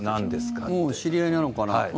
うん、知り合いなのかな。